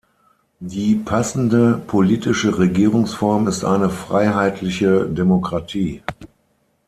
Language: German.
Die passende politische Regierungsform ist eine freiheitliche Demokratie.